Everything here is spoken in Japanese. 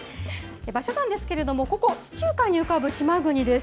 場所なんですけれども、ここ、地中海に浮かぶ島国です。